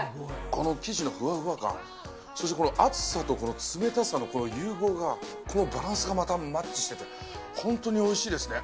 この生地のふわふわ感、そしてこの熱さとこの冷たさの融合が、このバランスがまたマッチしてて、本当においしいですね。